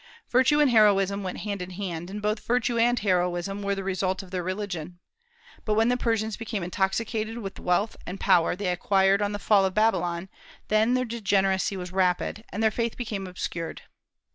Virtue and heroism went hand in hand; and both virtue and heroism were the result of their religion. But when the Persians became intoxicated with the wealth and power they acquired on the fall of Babylon, then their degeneracy was rapid, and their faith became obscured.